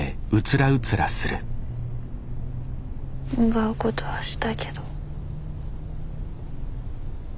奪うことはしたけど。